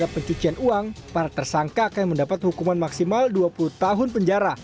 dan pencucian uang para tersangka akan mendapat hukuman maksimal dua puluh tahun penjara